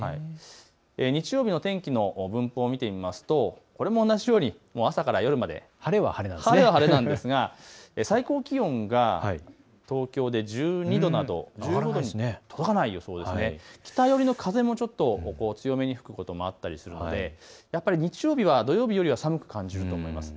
日曜日の天気の分布を見てみますと、これも同じように朝から夜まで晴れは晴れなんですが最高気温が東京で１２度、北寄りの風もちょっと強めに吹くこともあったりするのでやっぱり日曜日は、土曜日より寒く感じることがあります。